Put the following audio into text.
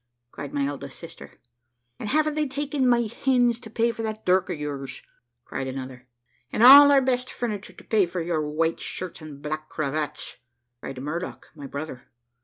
cried my eldest sister. `And haven't they taken my hens to pay for that dirk of yours?' cried another. `And all our best furniture to pay for your white shirts and black cravats?' cried Murdock, my brother.